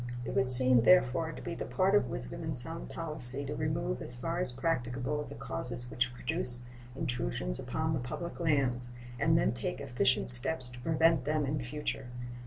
It would seem, therefore, to be the part of wisdom and sound policy to remove as far as practicable the causes which produce intrusions upon the public lands, and then take efficient steps to prevent them in future.